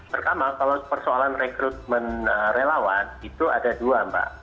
pertama kalau persoalan rekrutmen relawan itu ada dua mbak